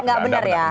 gak benar ya